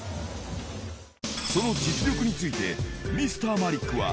その実力について、Ｍｒ．マリックは。